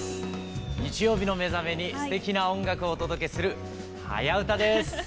日曜日のお目覚めにすてきな音楽をお届けする「はやウタ」です。